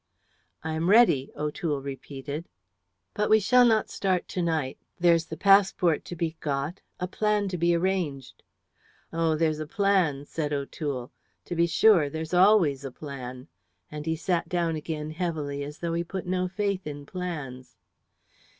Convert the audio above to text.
"I am ready," O'Toole repeated. "But we shall not start to night. There's the passport to be got, a plan to be arranged." "Oh, there's a plan," said O'Toole. "To be sure, there's always a plan." And he sat down again heavily, as though he put no faith in plans.